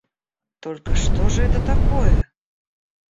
Только что же это такое?